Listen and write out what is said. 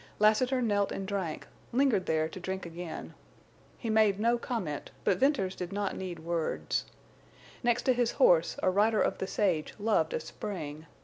Lassiter knelt and drank, lingered there to drink again. He made no comment, but Venters did not need words. Next to his horse a rider of the sage loved a spring.